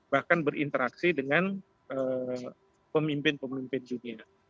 bahkan berinteraksi dengan pemimpin pemimpin dunia